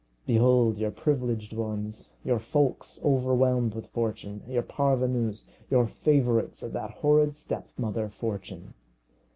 Behold your privileged ones, your folks overwhelmed with fortune, your parvenus, your favourites of that horrid stepmother Fortune!